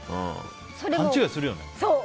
勘違いするよね。